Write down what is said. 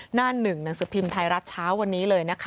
หน้าหนึ่งหนังสือพิมพ์ไทยรัฐเช้าวันนี้เลยนะคะ